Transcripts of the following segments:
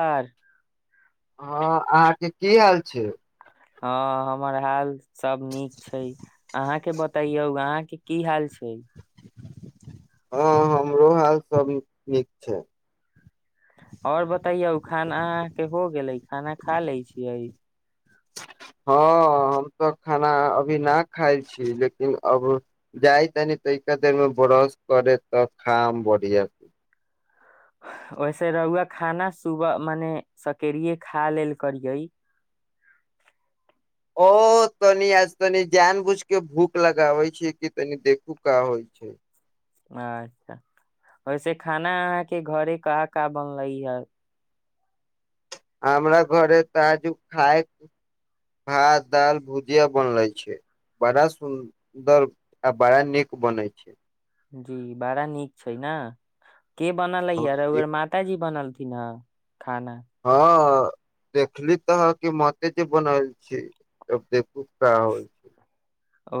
आर हँ अहाँके की हाल छै हँ हमर हाल सब नीक छै अहाँके बतैयौ अहाँके की हाल छै हँ हमरो हाल सब नीक छै आओर बतैयौ खाना अहाँ के हो गेलै खाना खा ले छियै हँ हम तऽ खाना अभी न खाइ छी लेकिन अब जाय तनि त एके देरमे ब्रश करे तऽ खाम बढ़िआँ से वैसे रहुआ खाना सुबह मने सकेड़े खा लेल करियै ओ तनि आज तनि जान बुझ के भूख लगाबै छैिय कि तनि देखू क होइ छै अच्छा ओैसे खाना अहाँके घरे कहाँ क बनलै हे हमरा घरे ताजू खााय भात दाल भुजिया बनले छै बड़ा सुन्दर आ बड़ा नीक बनै छै जी बड़ा नीक छै ने के बनल अै ह यर नीक उर माताजी बनल पना खाना हँ देखली तहाँके माते जे बनल छै त देखू क होल छै ओ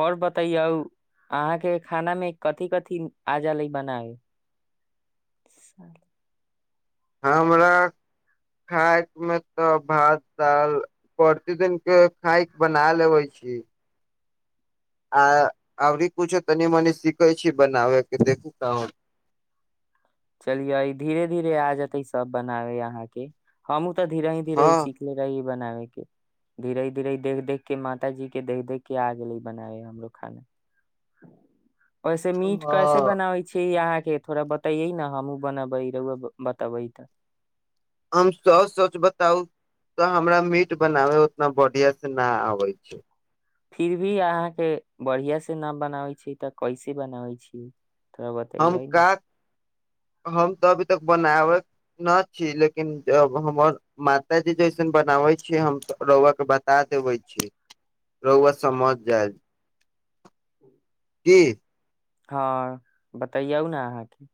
आओर बतैयऔ अहाँके खाना मे कथिी कथिी आज ली बना हे हमरा खाय मे तऽ भात दाल प्रतिदिनके खायके बना लेबै छी आ आरी कूछो तनी मनी सिखै छै बनाब कि देखू कन चलियऔ ई धीरे धीरे आ जेतै सब बनाबे अहाँके हमूँ तऽ धीर ह धीर ह हँ सीख रह है बनाबे के धीरे धीरे देख देख के माता जी के देख देख के आ गेले बनाबे हमरो खाना ओहिसे मीट कैसे हँ बनाबै छी अहाँ के थोड़ा बताइयै न हमहु बनाबहि रहुए बताबहि तऽ हम स सोच बताउ तऽ हमरा मीट बनाबय उतना बढ़िआँसँ नहि आबै छै फिर भी अहाँके बढ़िया से न बनाबै छै तऽ कैसे बनाबै छीिय तोरा बात अय हम आइ ने का हम तऽ अभी तक बनाबै न छी लेकिन जब हमर माताजी जैसन बनाबै छियै हम रौआ के बता देबै छी रौआ समझ जाय कि हँ बतैयौ ने अहाँके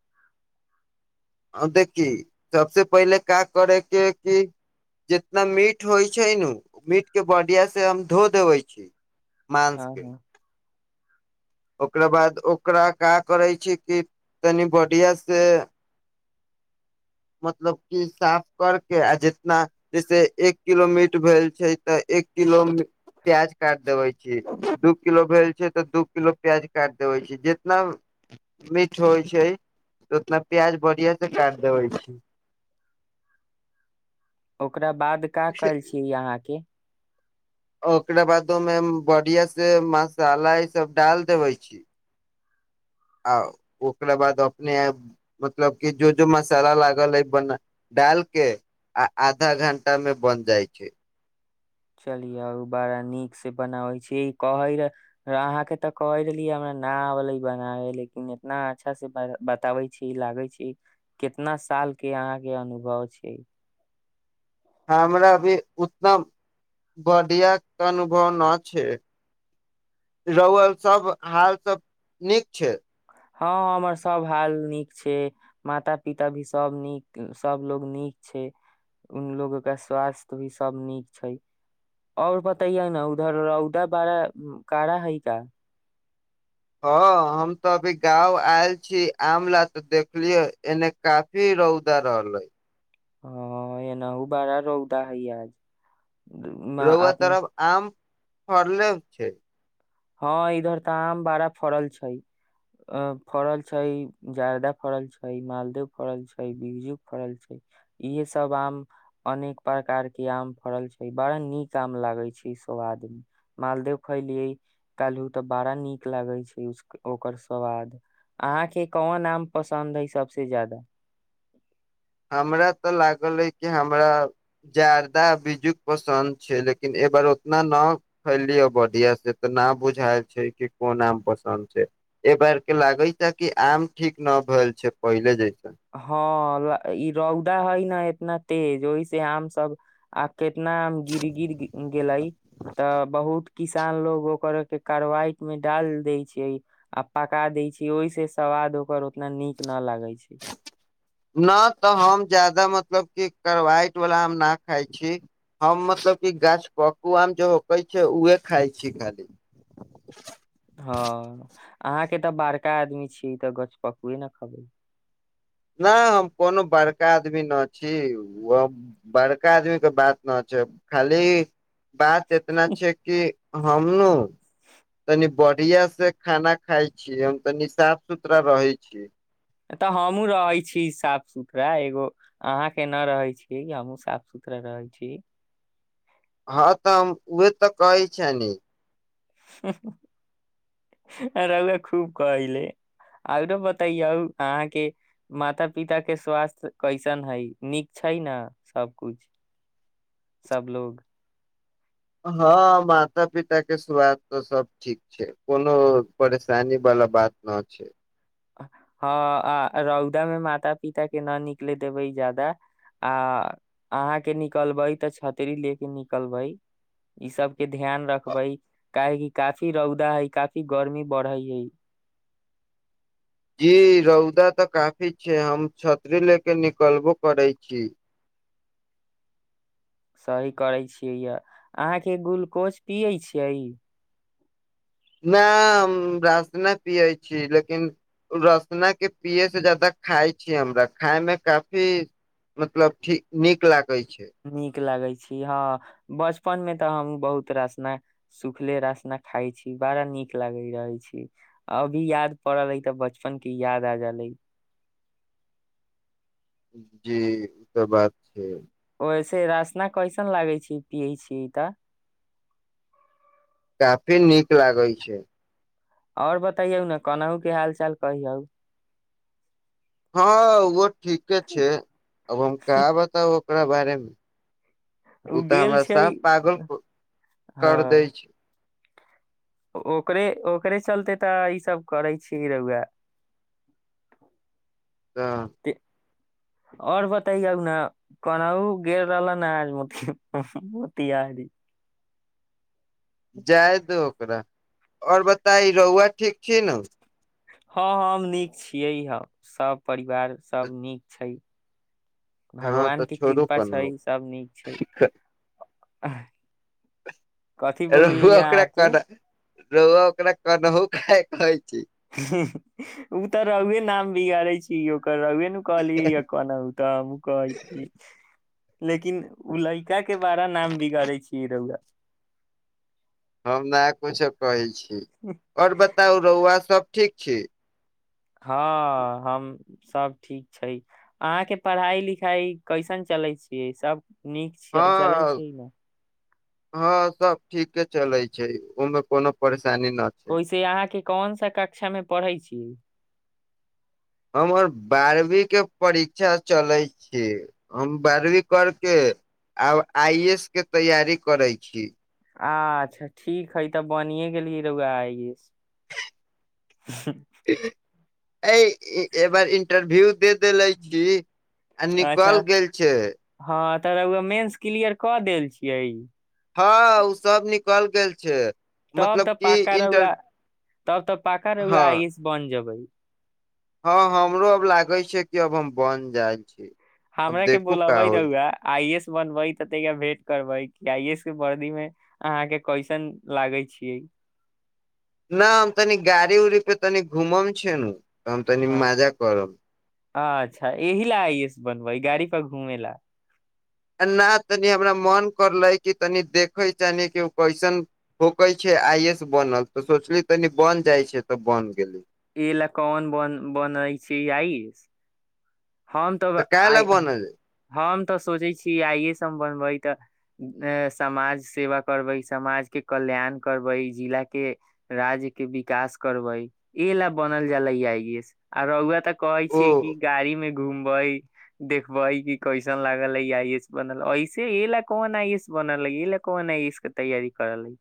आ देखी सबसे पहिले का करेके कि जितना मीट होइ छै न मीट के बढिया से हम धो देबै छी हँ मांसके हँ ओकरा बाद ओकरा का करै छी कि तनि बढ़िआ से मतलब कि साफ करके आ जितना जैसे एक किलो मीट भेल छै तऽ एक किलो प्याज काटि देबै छी दू किलो भेल छै तऽ दू किलो प्याज काट देबे छी जितना मीठ होइ छै उतना प्याज बढ़िया से काट देबे छी [inaudible] ओकरा बाद का करय छी अहाँ के ओकरा बाद ओहिमे बढ़िया से मसाला ई सब डाल देबे छी आ ओकरा बाद अपने मतलब कि जो जो मसाला लागल हइ बना डाल के आ आधा घण्टा मे बन जाइ छै चलियौ ओ बड़ा नीक से बनाबै छी कहै अहाँके तऽ कहै रहलियै हमरा न अबलै बनाबे लेकिन इतना अच्छा से बताबै छी लागै छी कितना साल के अहाँके अनुभव छै हमरा अभी उतना बढ़ियाक अनुभव न छै रौआ सब हाल सब नीक छै हँ हमर सभ हाल नीक छै माता पिता भी सभ नीक सभलोग नीक छै उलोगके स्वास्थ भी सभ नीक छै ओर बतेय ने उधर रौदा बड़ा काड़ा हइ का हँ हम तऽ अभी गाँव आयल छी आम ल तऽ देखलियै एने काफी रौदा रहलै ह एनहु बड़ा रौदा हइ आज रौआ तरफ आम फड़लो छै हँ इधर तऽ आम बड़ा फड़ल छै अ फड़ल छै जादा फड़ल छै मालदेव फड़ल छै बिजू फड़ल छै इहे सब आम अनेक प्रकार के आम फड़ल छै बड़ा नीक आम लागे छै सब आदमी मालदेव खैलियै कहलहु तऽ बड़ा नीक लागै छै उस ओकर स्वाद अहाँके कोन आम पसन्द हइ सभसे ज्यादा हमरा तऽ लागल ह कि हमरा जादा बीजजुक पसन्द छै लेकिन एबार उतना न खैलियै बढ़िया से तऽ ना बुझायल छै कि कोन आम पसन्द छै एहि बार के लागे छै कि आम ठीक न भेल छै पहिले जैसे हँ ई रौदा है न इतना तेज ओहिस आम सब आ कितना आम गिर गिर गेले तऽ बहुत किसान लोग ओकर के कारवाईट में डाल देय छै आ पका देय छै ओहि से स्वाद ओकर उतना नीक न लागै छै न तऽ हम जादा मतलब कि करवाइट वाला आम नहि खाइ छी हम मतलब कि गाछ पक्कू आम जे होकै छै उहे खाइ छी खाली हँ अहाँके तऽ बड़का आदमी छी तऽ गछपकुए ने खयबै नहि हम कोनो बड़का आदमी नहि छी ओ बड़का आदमीके बात न छै खाली बात एतना छै कि हमनु तनी बढ़िआ से खाना खाइ छी हम तनी साफ सुथरा रहै छी तऽ हमहूँ रहै छी साफ सुथरा एगो अहाँके नहि रहैत छी हमहूँ साफ सुथरा रहै छी हँ तऽ हम उहे तऽ कहय छनि रौआ खूब कहले आरो बतैयौ अहाँके माता पिता के स्वास्थ्य कैसन हइ नीक छै ने सब कुछ सब लोग हँ माता पिता के स्वास्थ तऽ सब ठीक छै कोनो परेशानी वाला बात न छै हँ आ रौदामे माता पिता के न निकले देबै ज्यादा आ अहाँके निकलबै तऽ छतरी ले के निकलबै ईसभके ध्यान रखबै काहेकि काफी रौदा हइ काफी गर्मी बढ़ै हइ जी रौदा तऽ काफी छै हम छतरी ले कऽ निकलबो करै छी सही करैत छियै। यए अहाँके ग्लूकोज पियै छियै। नहि, हम रासना पिबैत छी, मुदा रासना पिबै सँ बेसी खाइ छी। हमरा खाय मे काफी नीक लगैत अछि। कै छै नीक लागै छी हँ बचपन मे तऽ हम बहुत रासना सुखले रासना खाइ छी बड़ा नीक लागैत रहै छी अभी याद पड़ल अइ तऽ बचपन के याद आ जै जी ई तऽ बात छै वैसे रासना कैसन लागै छै पियै छी तऽ काफी नीक लागै छै आओर बतैयौ ने कोनाहु के हाल चाल कहियौ हँ ग ठीके छै अब हम क बताब ओकरा बारेमे ओ तऽ गेल हमरा छै स पागल कर दै हँ छै ओकरे ओकरे चलते तऽ ईसभ करै छिय रेउए हऽ आओर बताइ ने कोनाउ गेर रहल न आज म मोतीरी जायदो ओर बताई रहुआ ठीक छी ने हँ हम नीक छियै हे सभ परिवार सभ नीक छै हँ भगवान तऽ के छोड़ू कृपा छै कनहु सभ नीक छै कथिी बोलियै अहाँके रौकरा क नौ क कह छी ओ तऽ रघुए नाम बिगाड़े छी य रव न कहलिय य कहना त हम कहै लेकिन उ लड़का के बारा नाम बिगड़ै छियै रौआ हम नहि कुछो कहै छी आओर बताउ रौआ सभ ठीक छै हँ हम सभ ठीक छै अहाँके पढ़ाइ लिखाइ कैसन चलै छियै सभ नीक चालै हँ छैै न हँ सभ ठीके चलैत छै ओहिमे कोनो पर चान न छै कौन सा कक्षामे पढ़ै छीिय हमर बारहवीं के परीक्षा चलैत छी हम बारहवीं करके आब आई ए एस के तैयारी करै छी अच्छा ठीक है तऽ बनिे गेलिय रौगा [unintelligible] अ एबार इंटरव्यू दे देले छी। आ निकल गेल छै। त उ मेंस क्लियर कऽ देल छियै हँ ओ सब निकल गेल छै तब मतलब तऽ कि पक्का रौआ इंटर तब तऽ पाका र उ हँ आइस बन जेबै हँ हमरो अब लागे छै कि अब हम बन जाय छी अब हमरा के देखू बोला का भइ होइ रहआ आइ एस बनबै त ता भेंट करबै आइ एस के वर्दी मे अहाँ के कैसन लागे छियै न तनी गाड़ी उरी पे तनि घुमम छै न तऽ हम तनी हँ मजा करब अच्छा ए ह ल आइस बनब वहि गाड़ी पर घूमे ला आ नहि तनि हमरा मन करले कि तनि देखे छैान कि ओ कैसन होकै छै आइ एस बनल तऽ सोचली तनी बन जाइ छै तऽ बन गेली इ ल कन बन बनाै छै आइस हम तऽ काहे ला आइ बनल हम तऽ सोचै छी आइ ए एस हम बनबै तऽ समाज सेवा करबै समाज के कल्याण करबै जिला के राज्य के विकास करबै ए ले बनल जाले आइ ए एस आरआ तक कहै छीियै कि ओ गाड़ी मे घूमबे देखबे क कैसन लागल है आस बनल ऐसे ए ले कोन आइस बनल हे ले कोन आइस के तैयारी करल हे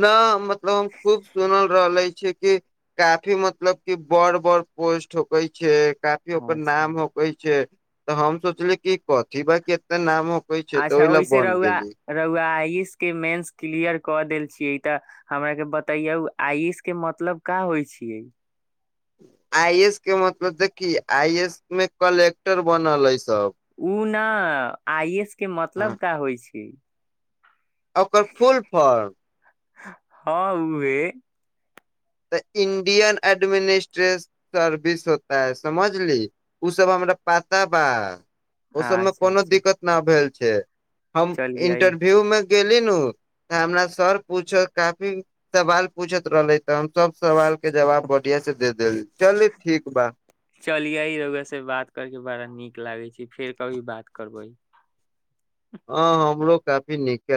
न मतलब हम खूब सुनल रहले छी क काफी मतलब की बड़ बड़ पोस्ट होकै छै काफी ओकर अच्छा नाम होकै छै तऽ हम सोचली कि कथभा केतना नाम हो अच्छा ओहिस रौआ रहुआ आइ आस के मेन्स क्लियर क देल छियै तऽ हमरा के बताैया आइष के मतलब क होइ छियै आइ एस के मतलब देखि आइ ए एस मे कलेक्टर बनल अछि ओ ने आइ एस के हाँ, मतलब क होइ छै ओकर फूल फल ह ओे तऽ इं्डियन एडमिनिस्ट्रेट सर्विस होताै समझली ओ सब हमरा पात बा ओ सबमे अच्छा कोनो अच्छा दिक्कत न भेल छै छै हम चलियै इंटरव्यू मे गेली न उ त हमरा सर पूछत काफी सवाल पूछैत रहले त सवाल के जव बढ़आ सेेल च ठीक बा चलियै रउआ से बात करके बड़ा नीक लागै छै फेर कभी बात करबै ह हमलोग काफी नीके ल